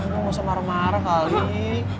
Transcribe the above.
lo gak usah marah marah kali